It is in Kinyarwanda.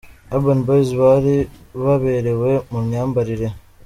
Urban Boyz bari baberewe mu myambarire.